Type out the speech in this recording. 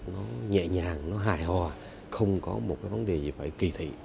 nó nhẹ nhàng nó hài hòa không có một cái vấn đề gì phải kỳ thị